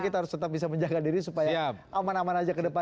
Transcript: kita harus tetap bisa menjaga diri supaya aman aman aja ke depan